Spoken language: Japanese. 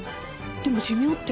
でも寿命って。